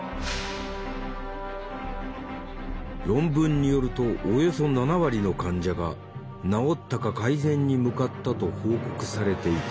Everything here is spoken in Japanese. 論文によるとおよそ７割の患者が治ったか改善に向かったと報告されていた。